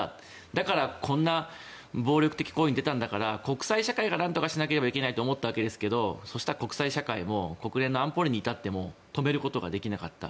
だからこんな暴力的行為に出たんだから国際社会がなんとかしなければいけないと思ったわけですがそしたら国際社会も国連の安保理に至っても止めることができなかった。